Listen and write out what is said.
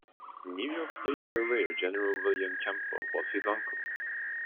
New York State Surveyor General William Campbell was his uncle.